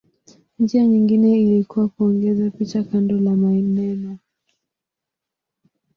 Njia nyingine ilikuwa kuongeza picha kando la maneno.